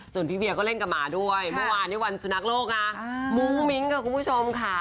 ส่วนพี่เวียก็เล่นกับหมาด้วยเมื่อวานนี้วันสุนัขโลกนะมุ้งมิ้งค่ะคุณผู้ชมค่ะ